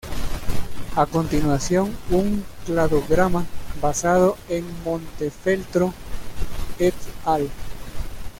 A continuación un cladograma basado en Montefeltro "et al.